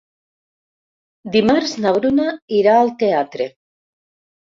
Dimarts na Bruna irà al teatre.